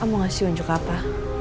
kamu ngasih unjuk apa